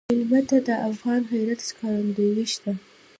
مېلمه ته د افغان غیرت ښکارندوی شه.